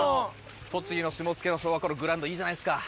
栃木の下野の小学校のグラウンドいいじゃないですか。